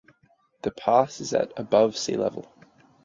The pass is at above sea level.